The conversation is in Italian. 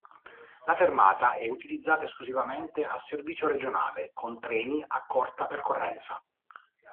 La fermata è utilizzata esclusivamente a servizio regionale, con treni a corta percorrenza.